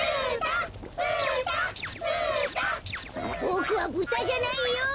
ボクはブタじゃないよ！